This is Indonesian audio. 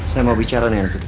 saya mau bicara nih anak putri